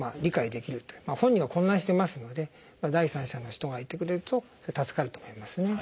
本人は混乱してますので第三者の人がいてくれると助かると思いますね。